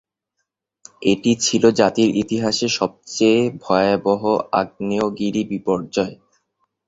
এটি ছিল জাতির ইতিহাসের সবচেয়ে ভয়াবহ আগ্নেয়গিরি বিপর্যয়।